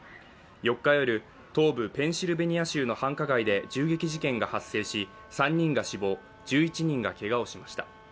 ４日夜、東部ペンシルベニア州の繁華街で銃撃事件が発生し、３人が死亡１１人がけがをしました。